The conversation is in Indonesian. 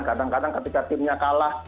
kadang kadang ketika timnya kalah